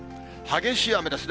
激しい雨ですね。